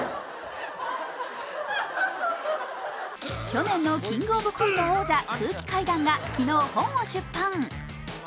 去年のキングオブコント王者・空気階段が昨日、本を出版。